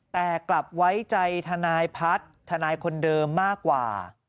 แต่กลับไว้ใจทนายพัฒน์ทนายคนเดิมมากกว่า